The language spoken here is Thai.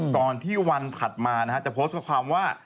ตอนที่วันถัดมานะครับจะโพสต์พอความว่า